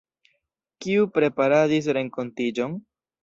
Kiu preparadis renkontiĝon?